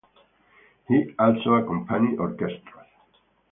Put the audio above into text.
He also accompanied orchestras.